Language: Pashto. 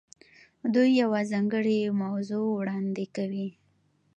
دوی یوه ځانګړې موضوع وړاندې کوي.